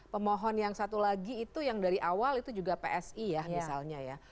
pemohon yang satu lagi itu yang dari awal itu juga psi ya misalnya ya